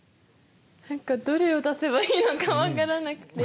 何かどれを出せばいいのか分からなくて。